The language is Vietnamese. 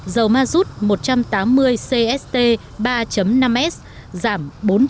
dầu ma rút một trăm tám mươi cst ba năm s giảm bốn trăm một mươi